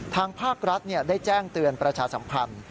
ทางภาครัฐได้แจ้งเตือนประชาสัมพันธ์